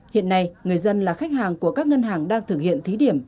hiện nay người dân là khách hàng của các ngân hàng đang thực hiện thí điểm